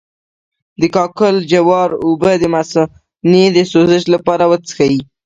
د کاکل جوار اوبه د مثانې د سوزش لپاره وڅښئ